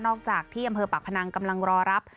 จากที่อำเภอปากพนังกำลังรอรับ